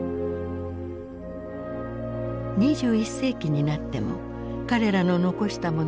２１世紀になっても彼らの残したものは健在である。